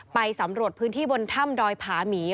ไปสำรวจพื้นที่บนถ้ำดอยผาหมี